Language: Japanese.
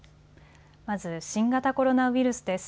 まず新型コロナウイルスです。